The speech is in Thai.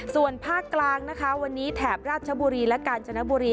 ส่วนภาคกลางนะคะวันนี้แถบราชบุรีและกาญจนบุรี